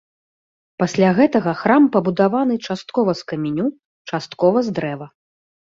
Пасля гэтага храм пабудаваны часткова з каменю, часткова з дрэва.